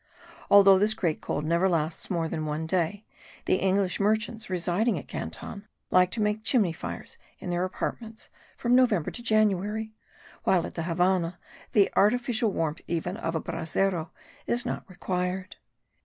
Although this great cold never lasts more than one day, the English merchants residing at Canton like to make chimney fires in their apartments from November to January; while at the Havannah, the artificial warmth even of a brazero is not required.